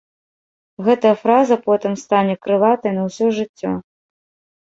Гэтая фраза потым стане крылатай на ўсё жыццё.